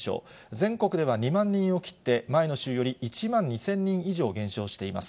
全国では２万人を切って、前の週より１万２０００人以上減少しています。